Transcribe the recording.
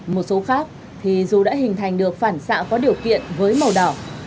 một số khác thì dù đã hình thành được phản xạ có điều kiện với màu đỏ